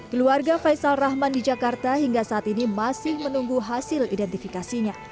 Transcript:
keluarga faisal rahman di jakarta hingga saat ini masih menunggu hasil identifikasinya